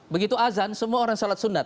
begitu azan semua orang salat sunnah